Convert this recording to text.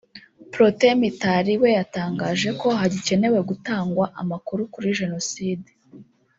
Protais Mitari we yatangaje ko hagikenewe gutangwa amakuru kuri Jenoside